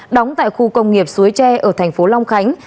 đóng tại khu công nghiệp suối tre ở thành phố long khánh